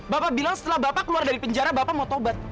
bapak bilang setelah bapak keluar dari penjara bapak mau taubat